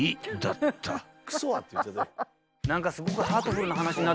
何かすごく。